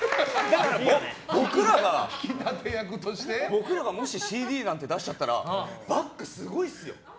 僕らがもしＣＤなんて出しちゃったらバックすごいっすよ。